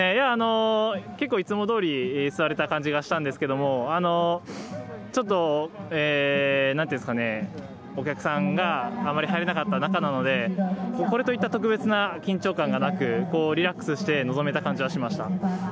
結構、いつもどおり座れた感じがしたんですけどちょっとお客さんがあまり入れなかった中なのでこれといった特別な緊張感がなくリラックスして臨めた感じがしました。